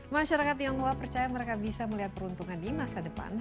masyarakat tionghoa percaya mereka bisa melihat peruntungan di masa depan